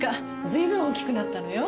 随分大きくなったのよ。